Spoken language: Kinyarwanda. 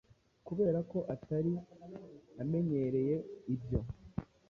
Kubera ko atari amenyereye ibyo,